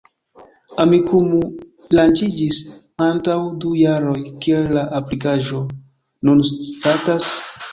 Amikumu lanĉiĝis antaŭ du jaroj, kiel la aplikaĵo nun statas?